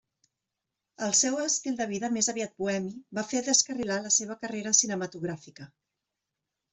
El seu estil de vida més aviat bohemi va fer descarrilar la seva carrera cinematogràfica.